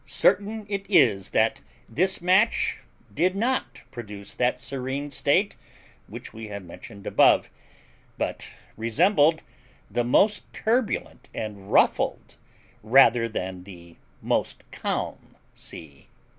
Certain it is that this match did not produce that serene state we have mentioned above, but resembled the most turbulent and ruffled, rather than the most calm sea.